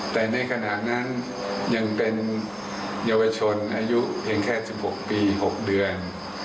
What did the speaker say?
แต่ในขณะนั้นยังเป็นเยาวชนอายุเพียงแค่๑๖ปี๖เดือน